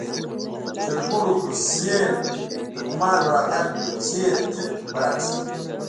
د چرګوړیو پر سېل د بومانو راتګ په څېر تیت و پرک شول.